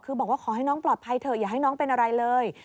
คือบอกว่าขอให้น้องปลอดภัยเถอะอย่าให้น้องเป็นอะไรเลย